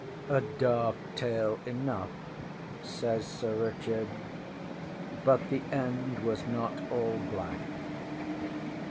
ŌĆśA dark tale enough, ŌĆÖ says Sir Richard, ŌĆśbut the end was not all black.